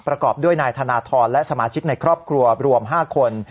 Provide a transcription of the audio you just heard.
ประกอบด้วยนายธนทรและสมาชิกในครอบครัวรวม๕คน